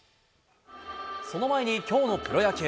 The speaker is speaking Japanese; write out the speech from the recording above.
その前に、きょうのプロ野球。